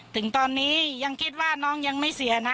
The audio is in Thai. ถึงตอนนี้ยังคิดว่าน้องยังไม่เสียนะ